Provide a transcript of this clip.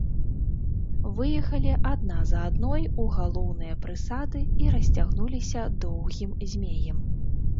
Выехалі адна за адной у галоўныя прысады і расцягнуліся доўгім змеем.